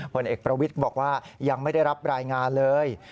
ผลเอกประวิทย์บอกว่ายังไม่ได้รับรายงานเลย